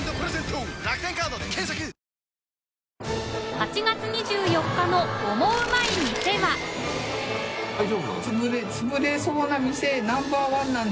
８月２４日の「オモウマい店」は大丈夫なんですか？